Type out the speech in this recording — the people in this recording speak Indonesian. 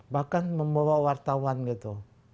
bahkan membawa wartawan gitu